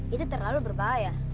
itu terlalu berbahaya